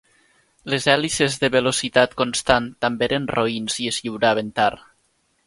Les hèlices de velocitat constant també eren roïns i es lliuraven tard.